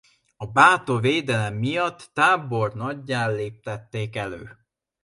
A bátor védelem miatt tábornaggyá léptették elő.